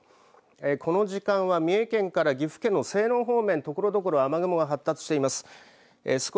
この時間は三重県から岐阜県の西濃方面ところどころ雨雲が発達しています。